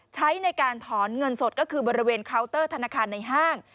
ใช้ในการถอนเงินสดก็คือบริเวณเคาน์เตอร์ธนาคารในห้าง